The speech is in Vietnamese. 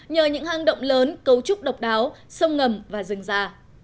nhờ những hang động lớn cấu trúc độc đáo sông ngầm và rừng già